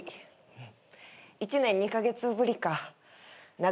うん。